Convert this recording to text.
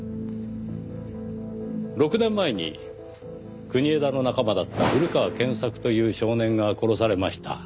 ６年前に国枝の仲間だった古川健作という少年が殺されました。